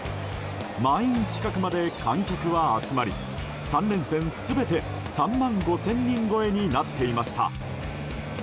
満員近くまで観客は集まり３連戦全て３万５０００人超えになっていました。